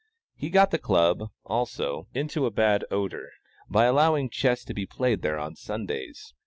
He got the Club, also, into bad odor, by allowing chess to be played there on Sundays.